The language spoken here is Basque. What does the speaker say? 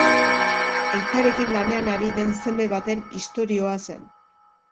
Aitarekin lanean ari den seme baten istorioa zen.